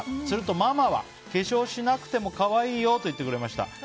するとママは化粧をしなくても可愛いよと言ってくれました。